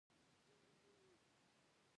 لسم لوست د عبدالرؤف بېنوا په اړه دی.